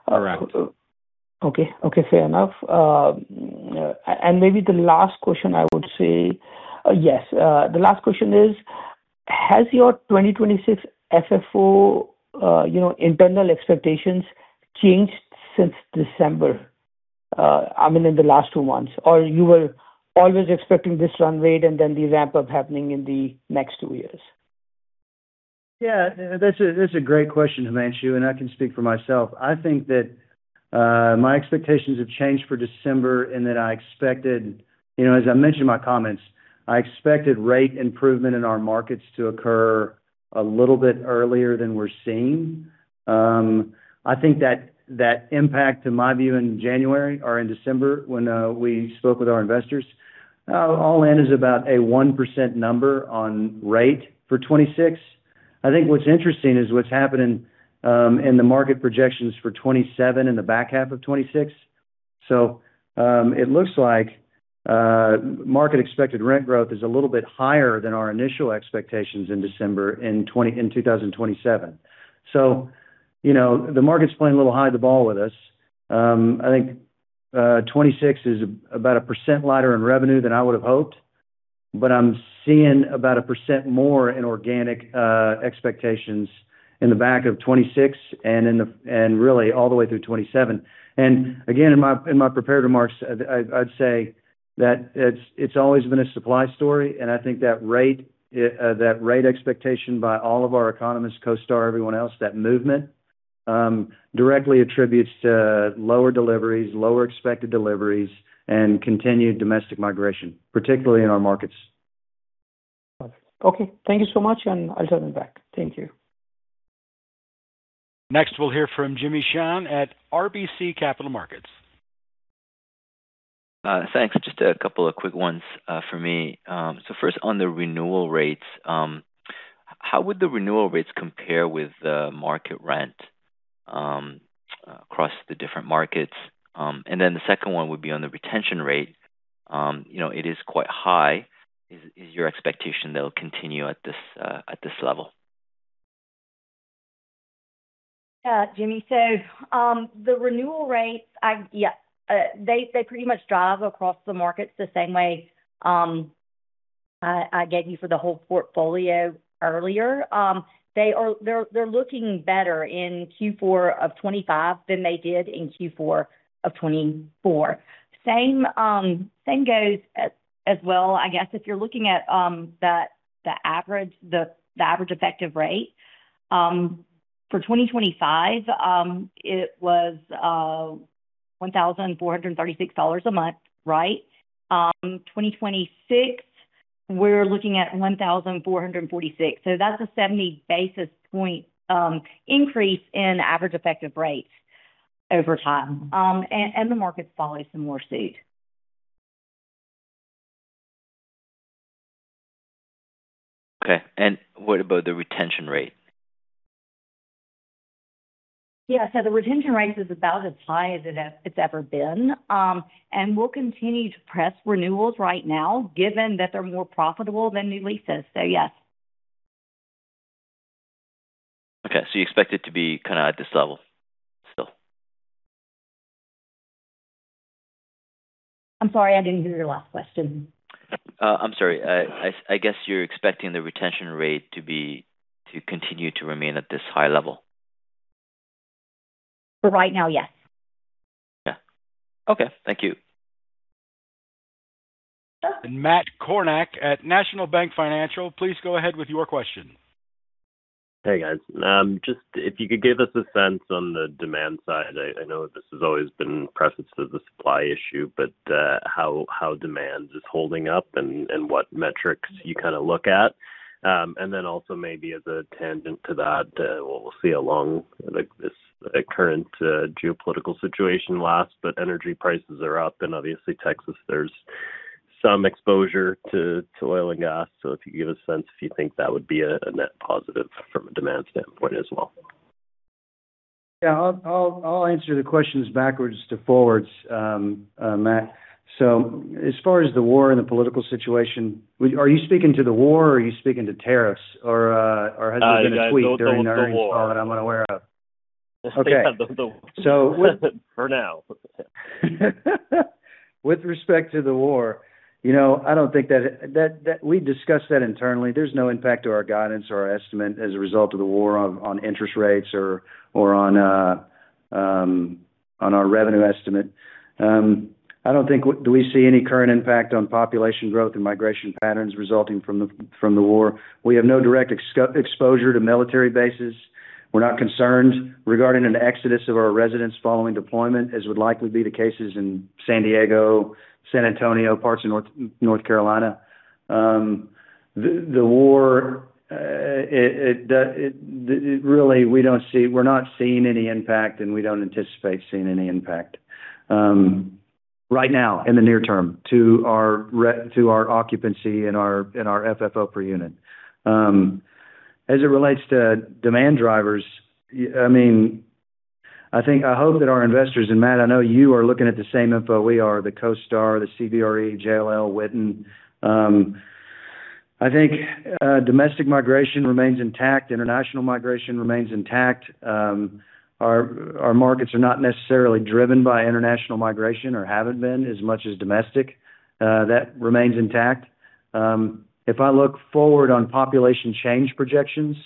Correct. Okay. Okay, fair enough. And maybe the last question I would say. Yes. The last question is: Has your 2026 FFO, you know, internal expectations changed since December? I mean, in the last two months, or you were always expecting this run rate and then the ramp up happening in the next two years? Yeah. That's a great question, Himanshu, and I can speak for myself. I think that my expectations have changed for December, and that I expected you know, as I mentioned in my comments, I expected rate improvement in our markets to occur a little bit earlier than we're seeing. I think that impact, in my view, in January or in December when we spoke with our investors, all in is about a 1% number on rate for 2026. I think what's interesting is what's happening in the market projections for 2027 and the back half of 2026. It looks like market expected rent growth is a little bit higher than our initial expectations in December in 2027. You know, the market's playing a little hide the ball with us. I think 2026 is about 1% lighter in revenue than I would have hoped, but I'm seeing about 1% more in organic expectations in the back of 2026 and really all the way through 2027. Again, in my prepared remarks, I'd say that it's always been a supply story, and I think that rate expectation by all of our economists, CoStar, everyone else, that movement directly attributes to lower deliveries, lower expected deliveries, and continued domestic migration, particularly in our markets. Okay. Thank you so much, and I'll turn it back. Thank you. Next, we'll hear from Khing Shan at RBC Capital Markets. Thanks. Just a couple of quick ones from me. First on the renewal rates, how would the renewal rates compare with the market rent across the different markets? Then the second one would be on the retention rate. You know, it is quite high. Is your expectation that it'll continue at this level? Yeah, Khing. The renewal rates, they pretty much drive across the markets the same way I gave you for the whole portfolio earlier. They're looking better in Q4 of 2025 than they did in Q4 of 2024. The same goes as well, I guess, if you're looking at the average effective rate for 2025, it was $1,436 a month, right? For 2026, we're looking at $1,446. That's a 70 basis point increase in average effective rates over time. The market's following suit. Okay. What about the retention rate? Yeah. The retention rate is about as high as it's ever been. We'll continue to press renewals right now, given that they're more profitable than new leases. Yes. Okay. You expect it to be kinda at this level still? I'm sorry, I didn't hear your last question. I'm sorry. I guess you're expecting the retention rate to continue to remain at this high level. For right now, yes. Yeah. Okay. Thank you. Matt Kornack at National Bank Financial, please go ahead with your question. Hey, guys. Just if you could give us a sense on the demand side. I know this has always been preface to the supply issue, but how demand is holding up and what metrics you kinda look at. Then also maybe as a tangent to that, we'll see how long like this current geopolitical situation lasts, but energy prices are up. Obviously, Texas, there's some exposure to oil and gas. If you could give a sense if you think that would be a net positive from a demand standpoint as well. Yeah. I'll answer the questions backwards to forwards, Matt. As far as the war and the political situation, are you speaking to the war, or are you speaking to tariffs? Or has there been a tweet during earnings call that I'm unaware of? Yeah. The war. Okay. For now. With respect to the war, we discussed that internally. There's no impact to our guidance or our estimate as a result of the war on interest rates or on our revenue estimate. Do we see any current impact on population growth and migration patterns resulting from the war? We have no direct exposure to military bases. We're not concerned regarding an exodus of our residents following deployment, as would likely be the cases in San Diego, San Antonio, parts of North Carolina. The war, really, we're not seeing any impact, and we don't anticipate seeing any impact right now in the near term to our occupancy and our FFO per unit. As it relates to demand drivers, I mean, I think I hope that our investors, and Matt, I know you are looking at the same info we are, the CoStar, the CBRE, JLL, Witten. I think, domestic migration remains intact. International migration remains intact. Our markets are not necessarily driven by international migration or haven't been as much as domestic. That remains intact. If I look forward on population change projections,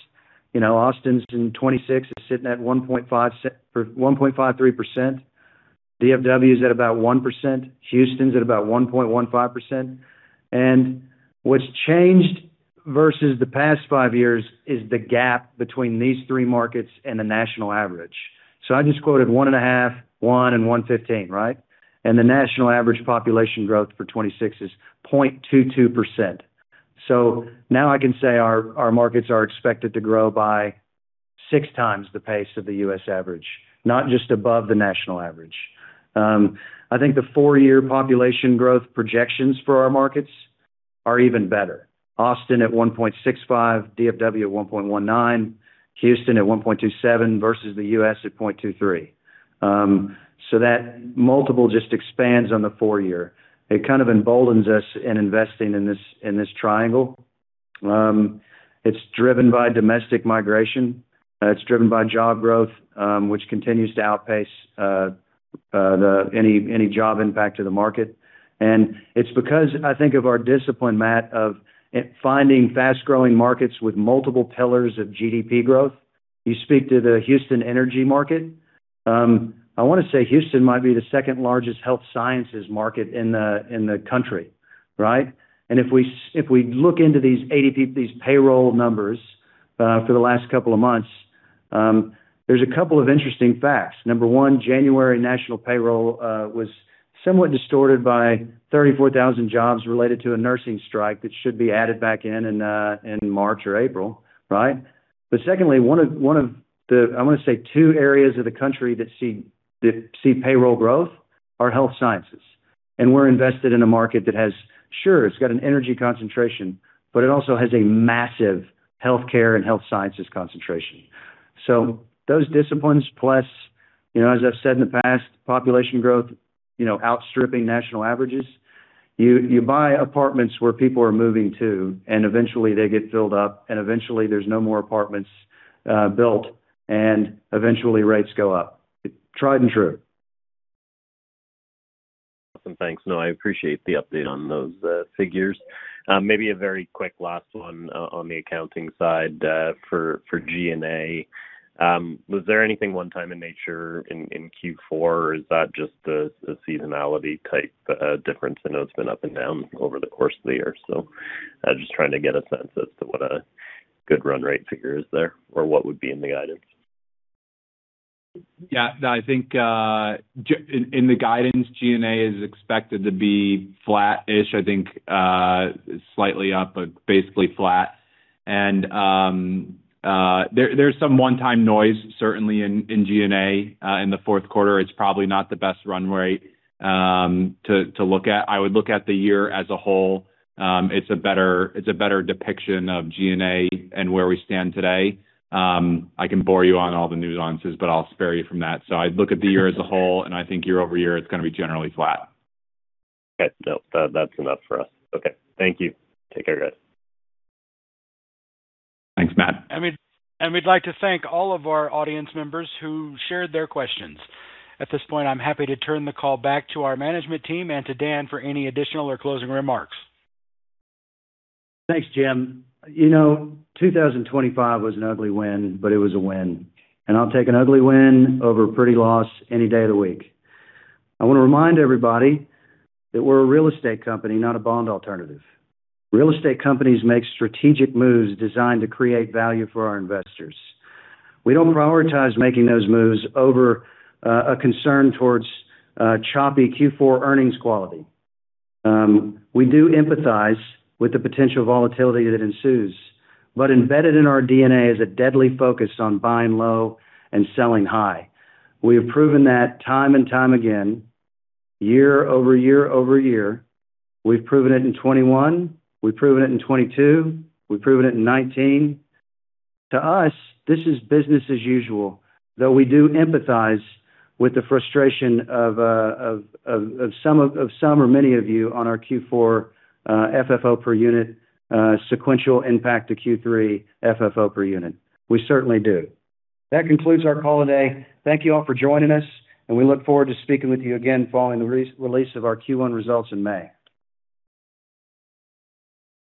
you know, Austin's in 2026 is sitting at 1.53%. DFW is at about 1%. Houston's at about 1.15%. What's changed versus the past five years is the gap between these three markets and the national average. I just quoted 1.5%, 1%, and 1.15%, right? The national average population growth for 2026 is 0.22%. Now I can say our markets are expected to grow by six times the pace of the US average, not just above the national average. I think the four-year population growth projections for our markets are even better. Austin at 1.65%. DFW at 1.19%. Houston at 1.27% versus the US at 0.23%. So that multiple just expands on the four-year. It kind of emboldens us in investing in this, in this triangle. It's driven by domestic migration. It's driven by job growth, which continues to outpace any job impact to the market. It's because I think of our discipline, Matt, of it finding fast-growing markets with multiple pillars of GDP growth. You speak to the Houston energy market. I wanna say Houston might be the second largest health sciences market in the country, right? If we look into these ADP payroll numbers for the last couple of months, there's a couple of interesting facts. Number one, January national payroll was somewhat distorted by 34,000 jobs related to a nursing strike that should be added back in March or April, right? Secondly, one of the two areas of the country that see payroll growth are health sciences. We're invested in a market that has, sure, it's got an energy concentration, but it also has a massive healthcare and health sciences concentration. Those disciplines plus, you know, as I've said in the past, population growth, you know, outstripping national averages. You buy apartments where people are moving to, and eventually they get filled up, and eventually there's no more apartments built, and eventually rates go up. Tried and true. Awesome. Thanks. No, I appreciate the update on those figures. Maybe a very quick last one on the accounting side for G&A. Was there anything one time in nature in Q4, or is that just a seasonality type difference? I know it's been up and down over the course of the year, so I'm just trying to get a sense as to what a good run rate figure is there or what would be in the guidance. Yeah, no, I think in the guidance, G&A is expected to be flat-ish, I think, slightly up, but basically flat. There's some one-time noise certainly in G&A in the Q4. It's probably not the best run rate to look at. I would look at the year as a whole. It's a better depiction of G&A and where we stand today. I can bore you on all the nuances, but I'll spare you from that. I'd look at the year as a whole, and I think year-over-year, it's gonna be generally flat. Okay. No, that's enough for us. Okay. Thank you. Take care, guys. Thanks, Matt. We'd like to thank all of our audience members who shared their questions. At this point, I'm happy to turn the call back to our management team and to Dan for any additional or closing remarks. Thanks, Jim. You know, 2025 was an ugly win, but it was a win, and I'll take an ugly win over a pretty loss any day of the week. I wanna remind everybody that we're a real estate company, not a bond alternative. Real estate companies make strategic moves designed to create value for our investors. We don't prioritize making those moves over a concern towards choppy Q4 earnings quality. We do empathize with the potential volatility that ensues, but embedded in our DNA is a deadly focus on buying low and selling high. We have proven that time and time again, year over year over year. We've proven it in 2021, we've proven it in 2022, we've proven it in 2019. To us, this is business as usual, though we do empathize with the frustration of some or many of you on our Q4 FFO per unit sequential impact to Q3 FFO per unit. We certainly do. That concludes our call today. Thank you all for joining us, and we look forward to speaking with you again following the re-release of our Q1 results in May.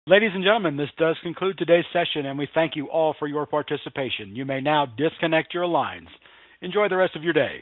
Ladies and gentlemen, this does conclude today's session, and we thank you all for your participation. You may now disconnect your lines. Enjoy the rest of your day.